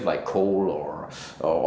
seperti kola atau lainnya